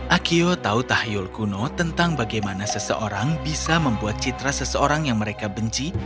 akio tahu tahyul kuno tentang bagaimana seseorang bisa membuat citra seseorang yang mereka benci